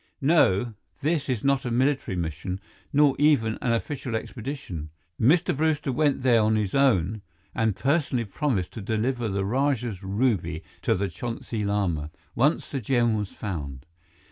"No. This is not a military mission, nor even an official expedition. Mr. Brewster went there on his own and personally promised to deliver the Rajah's ruby to the Chonsi Lama, once the gem was found.